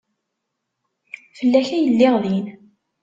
Fell-ak ay lliɣ din.